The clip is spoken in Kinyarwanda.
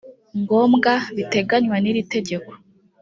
ngombwa biteganywa n iri tegeko